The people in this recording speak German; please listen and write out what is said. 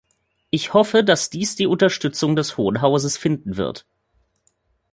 Ich hoffe, dass dies die Unterstützung des Hohen Hauses finden wird.